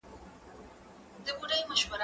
ته ولي خواړه ورکوې